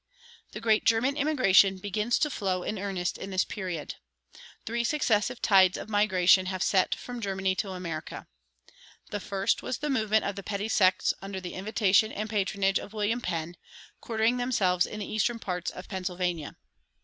The great German immigration begins to flow in earnest in this period. Three successive tides of migration have set from Germany to America. The first was the movement of the petty sects under the invitation and patronage of William Penn, quartering themselves in the eastern parts of Pennsylvania.